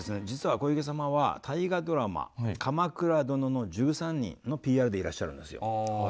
実は小池様は大河ドラマ「鎌倉殿の１３人」のＰＲでいらっしゃるんですよ。